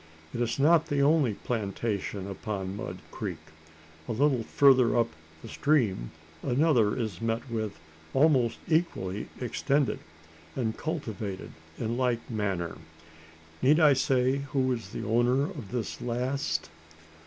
It is not the only plantation upon Mud Creek. A little further up the stream, another is met with almost equally extended, and cultivated in like manner. Need I say who is the owner of this last?